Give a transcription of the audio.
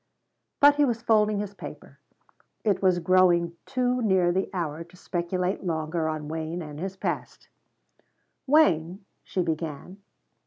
But he was folding his paper; it was growing too near the hour to speculate longer on Wayne and his past. "Wayne?" she began.